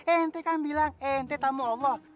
ente kan bilang ente tamu allah